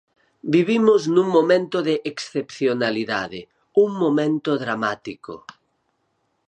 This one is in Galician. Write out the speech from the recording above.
Vivimos nun momento de excepcionalidade, un momento dramático.